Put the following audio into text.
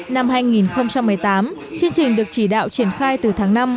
năm hai nghìn một mươi tám chương trình được chỉ đạo triển khai từ tháng năm